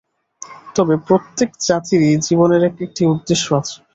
তবে প্রত্যেক জাতিরই জীবনের এক-একটি উদ্দেশ্য আছে।